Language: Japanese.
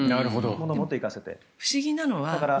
物を持っていかせて。